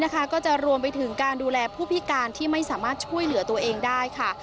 ก็จะรวมไปถึงการดูแลผู้พิการที่ไม่สามารถช่วยเหลือตัวเองได้ค่ะ